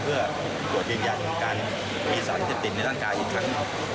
เพื่อตรวจยืนยันการมีสารเสพติดในร่างกายอีกครั้ง